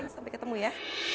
sampai ketemu ya